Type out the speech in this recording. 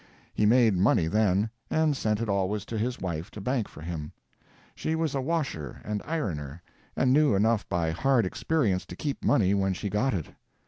He made money then, and sent it always to his wife to bank for him. She was a washer and ironer, and knew enough by hard experience to keep money when she got it.